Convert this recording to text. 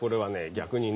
逆にね